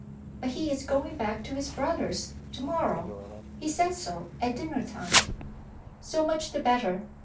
"But he is going back to his brother's to morrow he said so at dinner time." "So much the better.